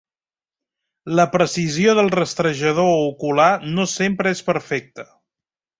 La precisió del rastrejador ocular no sempre és perfecta.